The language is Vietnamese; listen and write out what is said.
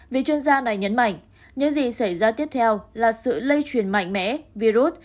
vì chuyên gia này nhấn mạnh những gì xảy ra tiếp theo là sự lây truyền mạnh mẽ virus